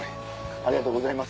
ありがとうございます